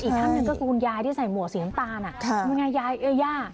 อีกทั้งนึงก็คุณยายที่ใส่หมวกสีน้ำตาล